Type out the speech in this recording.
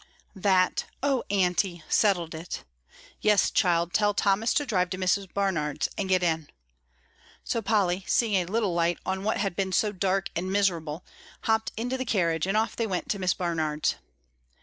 That "Oh, Aunty!" settled it. "Yes, child, tell Thomas to drive to Miss Barnard's, and get in." So Polly, seeing a little light on what had been so dark and miserable, hopped into the carriage, and off they went to Miss Barnard's.